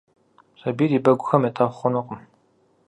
Сабийр а бэгухэм етӏэхъу хъунукъым.